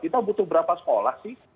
kita butuh berapa sekolah sih